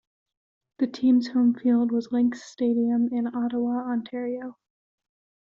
The team's home field was Lynx Stadium in Ottawa, Ontario.